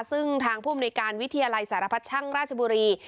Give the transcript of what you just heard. ซึ่งทางผู้อำนวยการวิทยาลัยสารพัดช่างราชบุรี